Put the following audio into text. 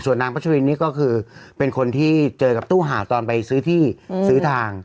นางพัชรินนี่ก็คือเป็นคนที่เจอกับตู้ห่าวตอนไปซื้อที่ซื้อทาง